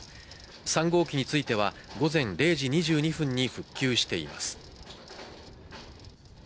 ３号機については午前０時２２分に復旧しています。